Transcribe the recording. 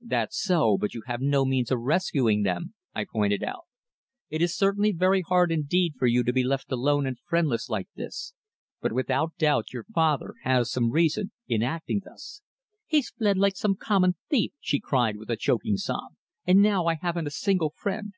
"That's so, but you have no means of rescuing them," I pointed out. "It is certainly very hard indeed for you to be left alone and friendless like this, but without doubt your father has some reason in acting thus." "He's fled like some common thief," she cried, with a choking sob. "And now I haven't a single friend."